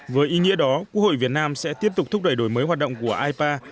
với ý nghĩa đó quốc hội việt nam sẽ tiếp tục thúc đẩy đổi mới hoạt động của ipa